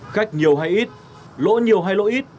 khách nhiều hay ít lỗ nhiều hay lỗ ít